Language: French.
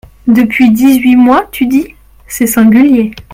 Depuis dix-huit mois, tu dis ? c’est singulier !…